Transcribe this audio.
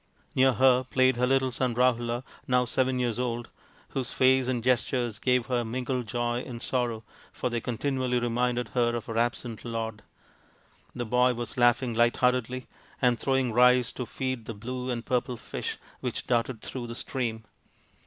Near her played her little son Rahula, now seven years old, whose face and gestures gave her mingled joy and sorrow, for they continually reminded her of her absent lord. The boy was laughing light heartedly, and throwing rice to feed the blue and purple fish which darted through the stream.